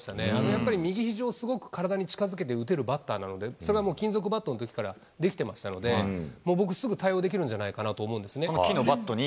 やっぱり右ひじを、すごく体に近づけて打てるバッターなので、それはもう、金属バットのときからできてましたので、もう僕、すぐ対応できるんじゃないかなと木のバットに？